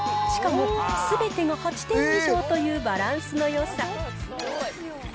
しかもすべてが８点以上というバランスのよさ。